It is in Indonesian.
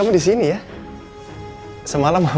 aku bukan pengaruh masalahmu bahwa